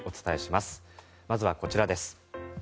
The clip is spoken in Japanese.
まずはこちらです。